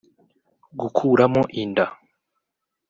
gukuramo inda